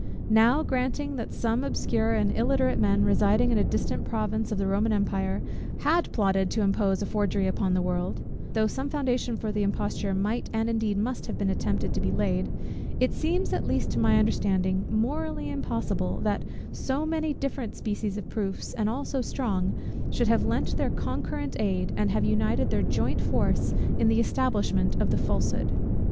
Now, granting that some obscure and illiterate men, residing in a distant province of the Roman empire, had plotted to impose a forgery upon the world; though some foundation for the imposture might, and indeed must, have been attempted to be laid; it seems, at least to my understanding, morally impossible that so many different species of proofs, and all so strong, should have lent their concurrent aid, and have united their joint force in the establishment of the falsehood.